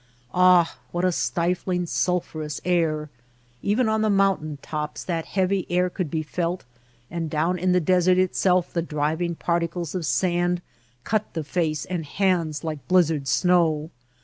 Ah ! what a stifling sulphureous THE APPEOACH 17 air I Even on the mountain tops that heavy air could be felt, and down in the desert itself the driving particles of sand cut the face and hands like blizzard snow.